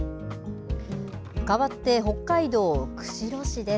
かわって北海道釧路市です。